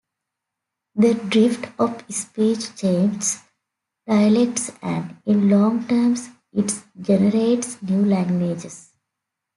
The drift of speech changes dialects and, in long terms, it generates new languages.